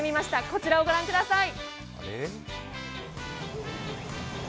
こちらをご覧ください。